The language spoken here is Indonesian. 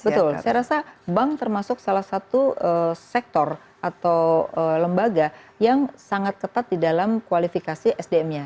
betul saya rasa bank termasuk salah satu sektor atau lembaga yang sangat ketat di dalam kualifikasi sdm nya